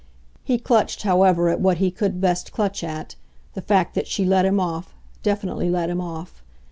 He clutched, however, at what he could best clutch at the fact that she let him off, definitely let him off.